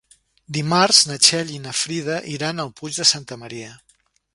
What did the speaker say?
Dimarts na Txell i na Frida iran al Puig de Santa Maria.